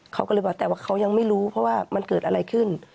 เขาก็เลยบอกแต่ว่าเขายังไม่รู้เพราะว่ามันเกิดอะไรขึ้น